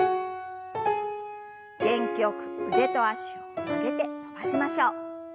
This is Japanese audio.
元気よく腕と脚を曲げて伸ばしましょう。